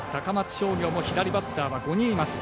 商業も左バッターは５人います。